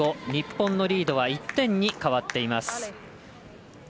日本のリードは１点に変わっています。